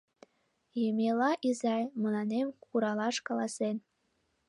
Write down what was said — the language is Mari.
Емела изай мыланем куралаш каласен.